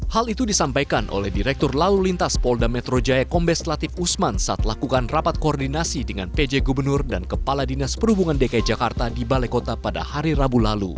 hal itu disampaikan oleh direktur lalu lintas polda metro jaya kombes latif usman saat lakukan rapat koordinasi dengan pj gubernur dan kepala dinas perhubungan dki jakarta di balai kota pada hari rabu lalu